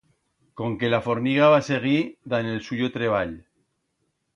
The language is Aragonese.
Conque la forniga va seguir dan el suyo treball.